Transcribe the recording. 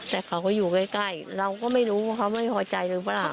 แต่เขาก็อยู่ใกล้เราก็ไม่รู้ว่าเขาไม่พอใจหรือเปล่า